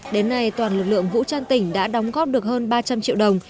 đến nay toàn lực lượng vũ trang tỉnh đã đóng góp được hơn ba trăm linh triệu đồng